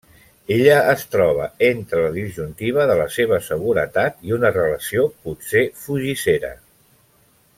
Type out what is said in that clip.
Ella es troba entre la disjuntiva de la seva seguretat i una relació potser fugissera.